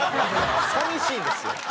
寂しいですよ。